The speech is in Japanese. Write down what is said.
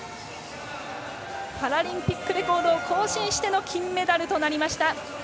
パラリンピックレコードを更新しての金メダルとなりました。